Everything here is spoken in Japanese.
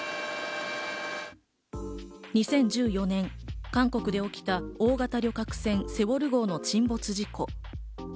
２０１４年、韓国で起きた大型旅客船・セウォル号の沈没事故。